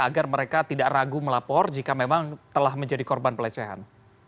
agar mereka tidak ragu melapor jika memang telah menjadi korban pelecehan